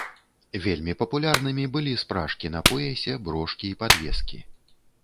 Вельмі папулярнымі былі спражкі на поясе, брошкі і падвескі.